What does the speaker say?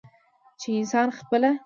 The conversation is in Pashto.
چې انسان خپله